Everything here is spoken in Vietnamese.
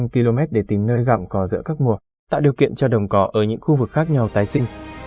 ba trăm linh km để tìm nơi gặm cỏ giữa các mùa tạo điều kiện cho đồng cỏ ở những khu vực khác nhau tái sinh